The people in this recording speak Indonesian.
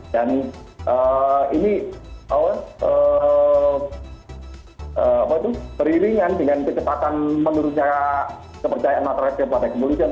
dan ini beriringan dengan kecepatan menurutnya kepercayaan matahari kepada kepolisian